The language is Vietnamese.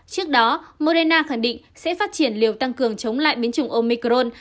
trước đó morena khẳng định sẽ phát triển liều tăng cường chống lại biến chủng omicron